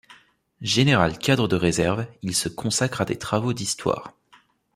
Général cadre de réserve, il se consacre à des travaux d'histoire.